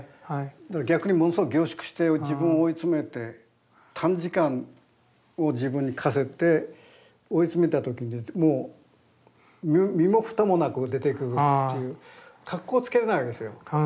逆にものすごい凝縮して自分を追い詰めて短時間を自分に課せて追い詰めた時にもう身も蓋もなく出てくるっていうかっこつけれないわけですよ。